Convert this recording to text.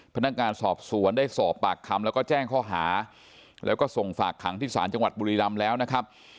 พนักงานสอบสวนได้สอบปากคำแล้วก็แจ้งข้อหาแล้วก็ส่งฝากขังที่ศาลจังหวัดบุรีรำแล้วนะครับ